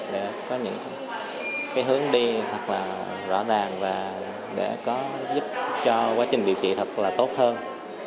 để có những hướng đi thật rõ ràng và giúp cho quá trình điều trị thật tốt hơn